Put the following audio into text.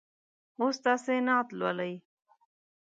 اوس تاسې نعت لولئ.